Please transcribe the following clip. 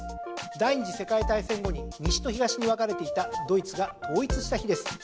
第２次世界大戦後に西と東に分かれていたドイツが統一した日です。